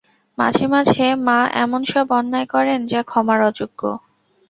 মাঝে মাঝে মা এমনসব অন্যায় করেন যা ক্ষমার অযোগ্য।